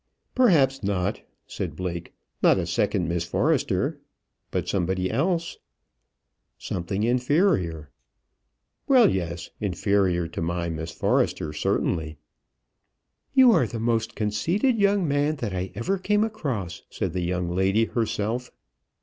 "Perhaps not," said Blake. "Not a second Miss Forrester but somebody else." "Something inferior?" "Well yes; inferior to my Miss Forrester, certainly." "You are the most conceited young man that I ever came across," said the young lady herself.